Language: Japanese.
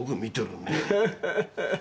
ハハハハ。